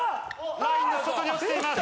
ラインの外に落ちています！